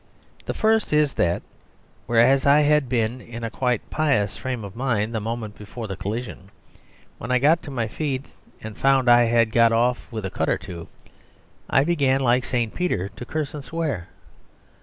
The first is that whereas I had been in a quite pious frame of mind the moment before the collision, when I got to my feet and found I had got off with a cut or two I began (like St. Peter) to curse and to swear.